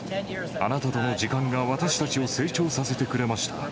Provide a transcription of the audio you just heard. あなたとの時間が私たちを成長させてくれました。